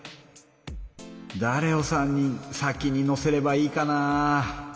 だれを３人先に乗せればいいかな？